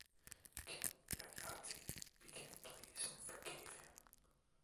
King Yayati became pleased and forgave him.